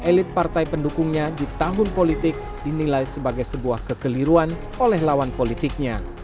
elit partai pendukungnya di tahun politik dinilai sebagai sebuah kekeliruan oleh lawan politiknya